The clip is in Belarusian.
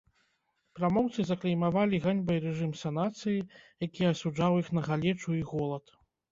Прамоўцы заклеймавалі ганьбай рэжым санацыі, які асуджаў іх на галечу і голад.